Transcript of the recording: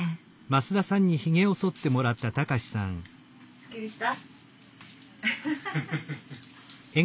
すっきりした？